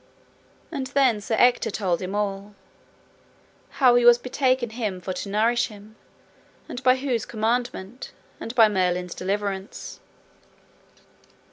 And then Sir Ector told him all, how he was betaken him for to nourish him, and by whose commandment, and by Merlin's deliverance.